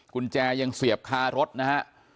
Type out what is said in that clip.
กุญแจยังเสียบคารถนะฮะ